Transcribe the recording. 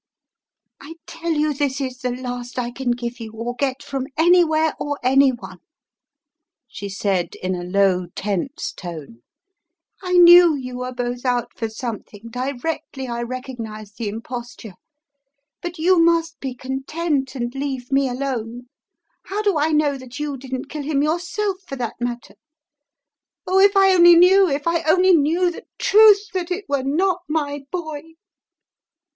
"I tell you this is the last I can give you or get from anywhere or any one," she said in a low, tense tone. "I knew you were both out for something, directly I recognized the imposture, but you must be content and leave me alone. How do I know that you didn't kill him yourself for that matter? Oh, if I only knew, if I only knew the truth, that it were not my boy